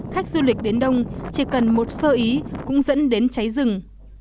khách du lịch đến đông chỉ cần một sơ ý cũng dẫn đến cháy rừng